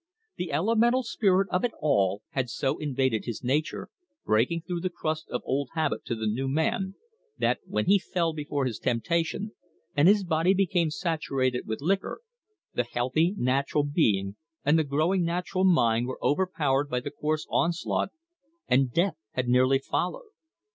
The elemental spirit of it all had so invaded his nature, breaking through the crust of old habit to the new man, that, when he fell before his temptation, and his body became saturated with liquor, the healthy natural being and the growing natural mind were overpowered by the coarse onslaught, and death had nearly followed.